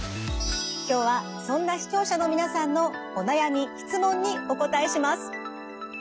今日はそんな視聴者の皆さんのお悩み質問にお答えします。